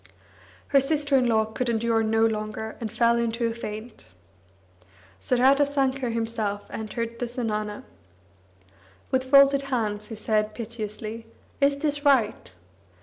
Her sister in law could endure no longer, and fell into a faint. Saradasankar himself entered the zenana. With folded hands, he said piteously: "Is this right?